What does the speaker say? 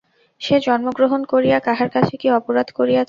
সে জন্মগ্রহণ করিয়া কাহার কাছে কী অপরাধ করিয়াছে?